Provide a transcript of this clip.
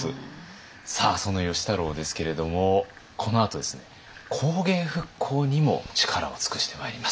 さあその芳太郎ですけれどもこのあとですね工芸復興にも力を尽くしてまいります。